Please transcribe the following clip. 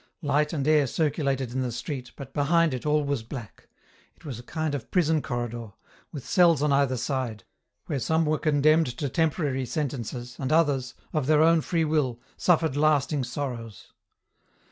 Light and air circulated in the street, but, behind it, all was black ; it was a kind of prison corridor, with cells on either side, where some were condemned to temporary sentences, and others, of their own free will, suffered lasting sorrows.